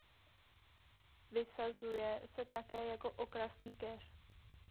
Vysazuje se také jako okrasný keř.